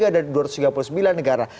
dan dua ratus tiga puluh sembilan negara